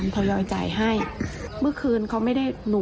ประมาณ๔๐๐บาท